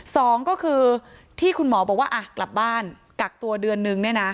สองก็คือที่คุณหมอบอกว่าอ่ะกลับบ้านกักตัวเดือนนึงเนี่ยนะ